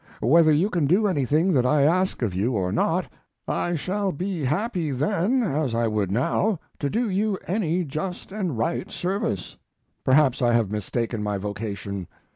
Whether you can do anything that I ask of you or not, I shall be happy then, as I would be now, to do you any just and right service.... Perhaps I have mistaken my vocation.